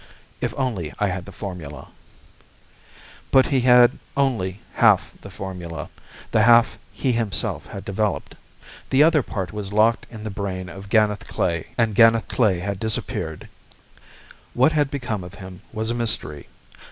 If only I had the formula ..." But he had only half the formula, the half he himself had developed. The other part was locked in the brain of Ganeth Klae, and Ganeth Klae had disappeared. What had become of him was a mystery.